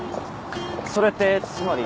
それってつまり。